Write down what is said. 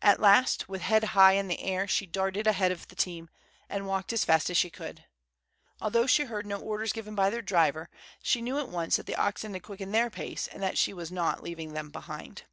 At last, with head high in the air, she darted ahead of the team, and walked as fast as she could. Although she heard no orders given by their driver, she knew at once that the oxen had quickened their pace, and that she was not leaving them behind.